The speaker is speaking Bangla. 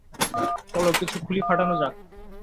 চলো কিছু খুলি ফাটানো যাক।